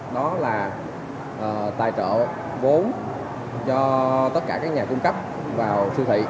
đó là tài trợ vốn cho tất cả các nhà cung cấp vào siêu thị